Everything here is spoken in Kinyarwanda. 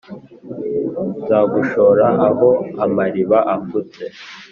nzagushora aho amariba afutse